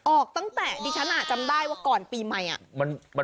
ออกตั้งแต่ดิฉันจำได้ว่าก่อนปีใหม่